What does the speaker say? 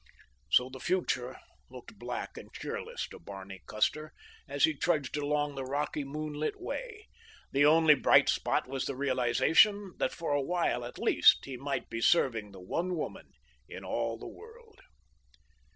So the future looked black and cheerless to Barney Custer as he trudged along the rocky, moonlit way. The only bright spot was the realization that for a while at least he might be serving the one woman in all the world.